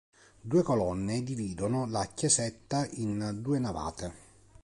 Due colonne dividono la chiesetta in due navate.